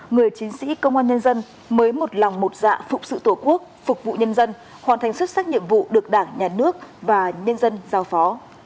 người chiến sĩ công an nhân dân mới một lòng một dạ phụ sự tổ quốc phục vụ nhân dân hoàn thành xuất sắc nhiệm vụ được đảng nhà nước và nhân dân giao phó